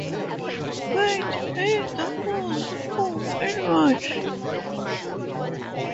Might May the mouse move in March?